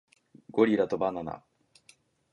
ゴリラとバナナ